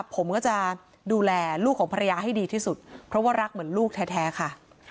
ผมก็จะดูแลลูกของภรรยาให้ดีที่สุดเพราะว่ารักเหมือนลูกแท้ค่ะ